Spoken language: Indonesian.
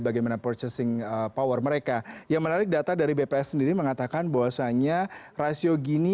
bagaimana purchasing power mereka yang menarik data dari bps sendiri mengatakan bahwasannya rasio gini